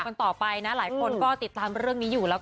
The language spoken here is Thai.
กันต่อไปนะหลายคนก็ติดตามเรื่องนี้อยู่แล้ว